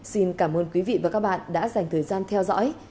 xin cảm ơn quý vị và các bạn đã dành thời gian theo dõi